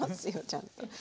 ちゃんと。